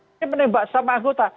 ini menembak sama anggota